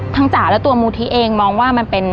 จ๋าและตัวมูธิเองมองว่ามันเป็น